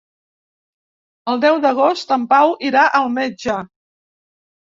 El deu d'agost en Pau irà al metge.